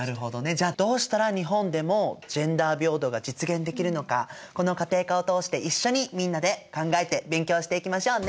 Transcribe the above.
じゃあどうしたら日本でもジェンダー平等が実現できるのかこの家庭科を通して一緒にみんなで考えて勉強していきましょうね。